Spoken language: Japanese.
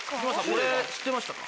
これ知ってましたか？